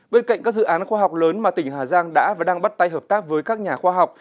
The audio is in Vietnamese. bên cạnh các dự án khoa học lớn mà tỉnh hà giang đã và đang bắt tay hợp tác với các nhà khoa học